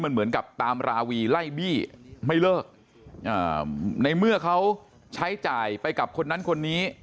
มันเหมือนกับตามราวีไล่บี้ไม่เลิกในเมื่อเขาใช้จ่ายไปกับคนนั้นคนนี้